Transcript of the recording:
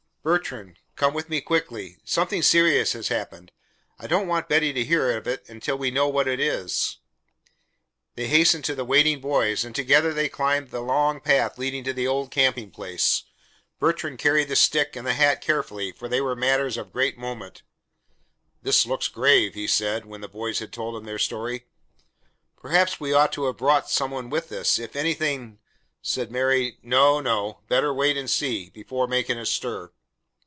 "Bertrand, come with me quickly. Something serious has happened. I don't want Betty to hear of it until we know what it is." They hastened to the waiting boys, and together they slowly climbed the long path leading to the old camping place. Bertrand carried the stick and the hat carefully, for they were matters of great moment. "This looks grave," he said, when the boys had told him their story. "Perhaps we ought to have brought some one with us if anything " said Mary. "No, no; better wait and see, before making a stir."